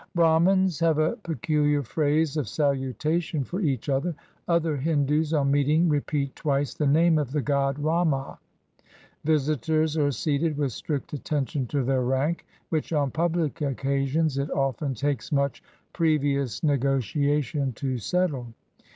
Bramins have a peculiar phrase of salutation for each other. Other Hindus on meeting repeat twice the name of the god Rama. Visitors are seated with strict atten tion to their rank, which on public occasions it often takes much pre\dous negotiation to settle.